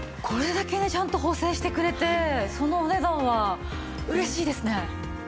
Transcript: これだけねちゃんと補整してくれてそのお値段は嬉しいですね。